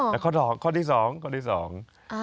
แล้วข้อที่สองข้อที่สอง